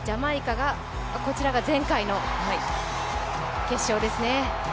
こちらが前回の決勝ですね。